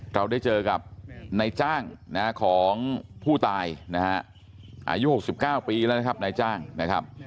เราได้เจอกับนายจ้างของผู้ตายนะฮะอายุ๖๙ปีแล้วนะครับนายจ้างนะครับ